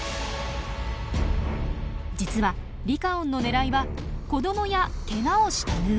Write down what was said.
実はリカオンの狙いは子どもやケガをしたヌー。